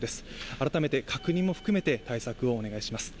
改めて確認も含めて対策をお願いします。